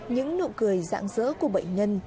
những nụ cười dạng dỡ của bệnh nhân